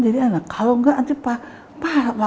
jadi enak kalau enggak nanti pak